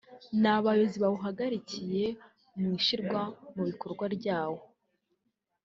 ni Abayobozi bawuhagarikiye mu ishyirwa mu bikorwa ryawo